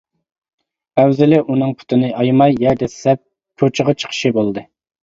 ئەۋزىلى ئۇنىڭ پۇتىنى ئايىماي يەر دەسسەپ كوچىغا چىقىشى بولدى.